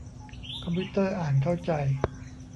คอมพิวเตอร์อ่านเข้าใจ